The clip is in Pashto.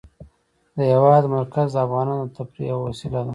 د هېواد مرکز د افغانانو د تفریح یوه وسیله ده.